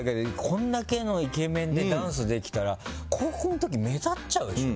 こんだけのイケメンでダンスできたら高校の時、目立っちゃうでしょ？